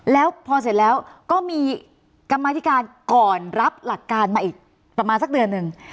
แล้วพอเสร็จแล้วก็มีกรรมธิการก่อนรับหลักการมาอีกประมาณสักเดือนหนึ่ง